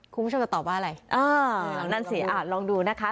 คุณผู้ชมจะตอบว่าอะไรเออนั่นสิอ่ะลองดูนะคะ